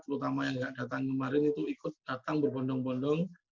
terutama yang nggak datang kemarin itu ikut datang berbondong bondong